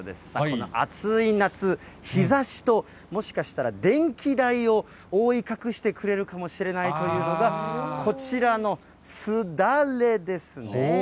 この暑い夏、日ざしともしかしたら、電気代を覆い隠してくれるかもしれないというのが、こちらのすだれですね。